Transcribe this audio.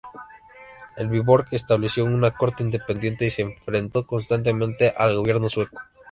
En Viborg estableció una corte independiente y se enfrentó constantemente al gobierno sueco.